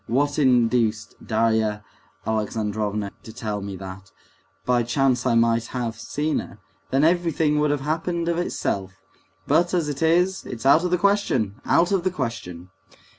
What induced Darya Alexandrovna to tell me that? By chance I might have seen her, then everything would have happened of itself; but, as it is, it's out of the question, out of the question!"